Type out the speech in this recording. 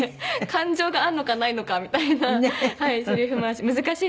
感情があるのかないのかみたいなせりふ回し。